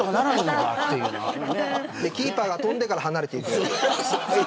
キーパーが跳んでから離れていく。